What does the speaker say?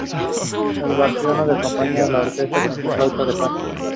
The bulldogs sent their first touchdown over in the first quarter.